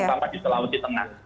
terutama di selaut di tengah